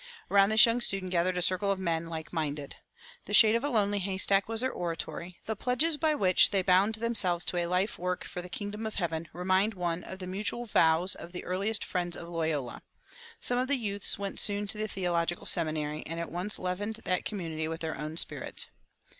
Around this young student gathered a circle of men like minded. The shade of a lonely haystack was their oratory; the pledges by which they bound themselves to a life work for the kingdom of heaven remind one of the mutual vows of the earliest friends of Loyola. Some of the youths went soon to the theological seminary, and at once leavened that community with their own spirit.